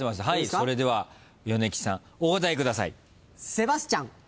それでは米吉さんお答えください。